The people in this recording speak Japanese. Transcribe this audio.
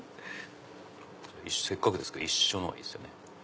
せっかくですから一緒の方がいいですよね。